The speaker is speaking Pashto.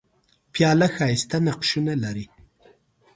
پیاله ښايسته نقشونه لري.